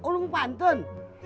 lu mau pantun